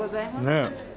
ねえ。